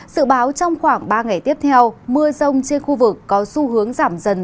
sự báo trong khoảng ba ngày tiếp theo mưa rông trên khu vực có xu hướng giảm dần